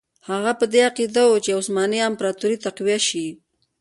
هغه په دې عقیده وو چې عثماني امپراطوري تقویه شي.